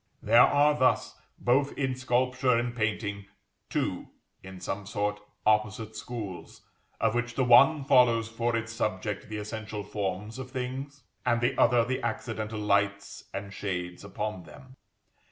There are thus, both in sculpture and painting, two, in some sort, opposite schools, of which the one follows for its subject the essential forms of things, and the other the accidental lights and shades upon them.